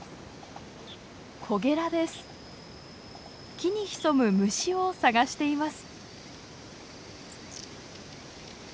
木に潜む虫を探しています。